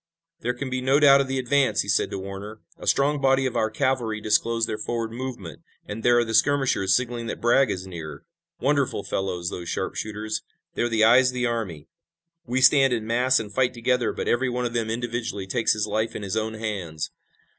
"There can be no doubt of the advance!" he said to Warner. "A strong body of our cavalry disclosed their forward movement, and there are the skirmishers signaling that Bragg is near. Wonderful fellows, those sharpshooters! They're the eyes of the army. We stand in mass and fight together, but every one of them individually takes his life in his own hands.